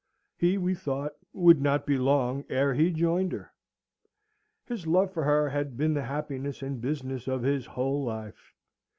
He, we thought, would not be long ere he joined her. His love for her had been the happiness and business of his whole life.